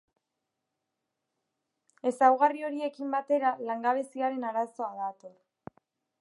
Ezaugarri horiekin batera langabeziaren arazoa dator.